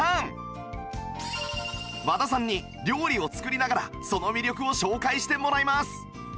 和田さんに料理を作りながらその魅力を紹介してもらいます